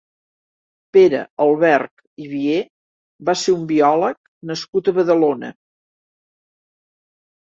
Pere Alberch i Vié va ser un biòleg nascut a Badalona.